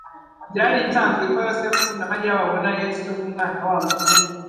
Byari ibisanzwe ko Yosefu na Mariya babona Yesu nk'umwana wabo bwite: